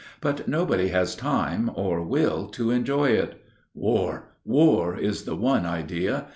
But nobody has time or will to enjoy it. War, war! is the one idea.